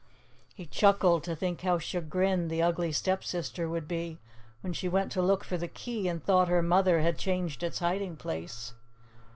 He chuckled to think how chagrined the Ugly Stepsister would be when she went to look for the key and thought her mother had changed its hiding place.